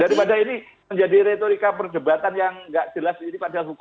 daripada ini menjadi retorika perdebatan yang nggak jelas ini pada hukum